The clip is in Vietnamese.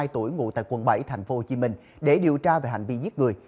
ba mươi hai tuổi ngủ tại quận bảy thành phố hồ chí minh để điều tra về hành vi giết người